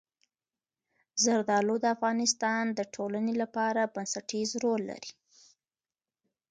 زردالو د افغانستان د ټولنې لپاره بنسټيز رول لري.